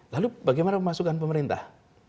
lalu bagaimana pemasukan pemerintah